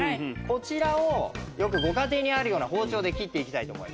こちらをよくご家庭にあるような包丁で切っていきたいと思います。